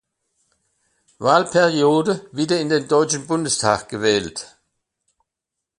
Wahlperiode wieder in den Deutschen Bundestag gewählt.